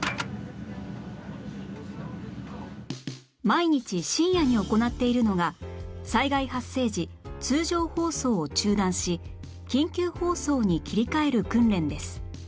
毎日深夜に行っているのが災害発生時通常放送を中断し緊急放送に切り替える訓練です